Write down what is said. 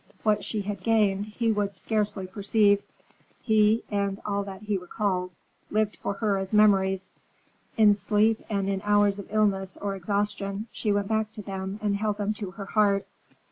What she had gained, he would scarcely perceive. He, and all that he recalled, lived for her as memories. In sleep, and in hours of illness or exhaustion, she went back to them and held them to her heart.